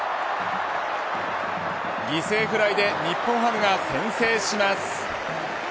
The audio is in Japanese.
犠牲フライで日本ハムが先制します。